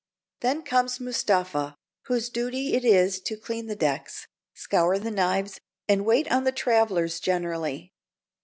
Then comes Mustapha, whose duty it is to clean the decks, scour the knives, and wait on the travellers generally.